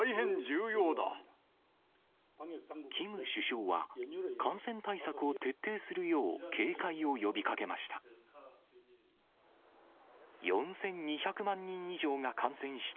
キム首相は、感染対策を徹底するよう警戒を呼びかけました。